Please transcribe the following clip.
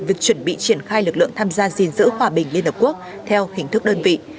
việc chuẩn bị triển khai lực lượng tham gia gìn giữ hòa bình liên hợp quốc theo hình thức đơn vị